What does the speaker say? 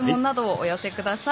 お寄せください。